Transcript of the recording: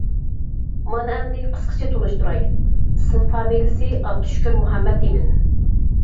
مانا ئەمدى قىسقىچە تونۇشتۇراي: ئىسىم-فامىلىسى: ئابدۇشۈكۈر مۇھەممەتئىمىن.